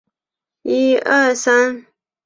先后投效葛荣及尔朱荣。